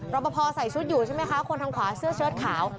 ปภใส่ชุดอยู่ใช่ไหมคะคนทางขวาเสื้อเชิดขาว